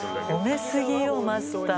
褒め過ぎよマスター。